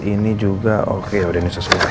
ini juga oke udah ini sesuai